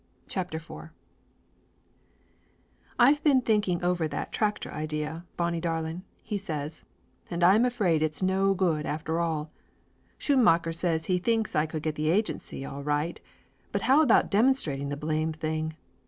CHAPTER IV "T BEEN thinking over that tractor idea, Bonnie * darlin'," he says, "and I'm afraid it is no good, after all. Schoonmacker says he thinks I could get the agency all right, but how about demonstrating the blame thing?